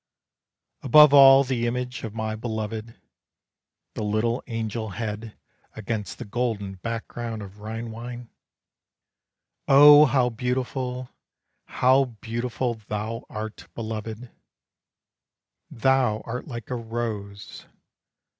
Above all the image of my belovèd, The little angel head against the golden background of Rhine wine. Oh how beautiful! how beautiful thou art, belovèd! Thou art like a rose.